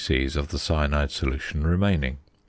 c. of the cyanide solution remaining.